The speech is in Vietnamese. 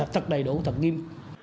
thật đầy đủ thật nghiêm